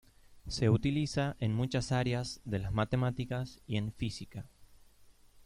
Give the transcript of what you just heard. Se utiliza en muchas áreas de las matemáticas y en física.